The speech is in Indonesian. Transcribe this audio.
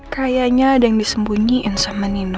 kayaknya ada yang disembunyiin sama nino